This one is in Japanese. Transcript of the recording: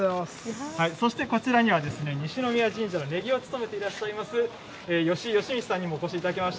そしてこちらには、西宮神社の禰宜を務めていらっしゃいます吉井よしみつさんにもお越しいただきました。